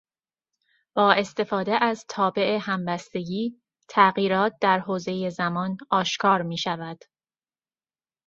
با استفاده از تابع همبستگی، تغییرات در حوزه زمان آشکار میشود.